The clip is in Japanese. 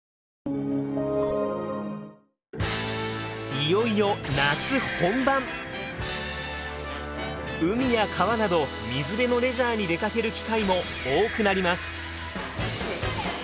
いよいよ海や川など水辺のレジャーに出かける機会も多くなります。